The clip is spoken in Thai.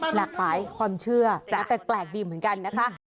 หลากหลายความเชื่อแปลกดีเหมือนกันนะคะ